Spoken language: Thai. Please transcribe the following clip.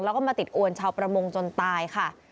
แล้วก็มาติดอวนชาวประมงจนตายค่ะ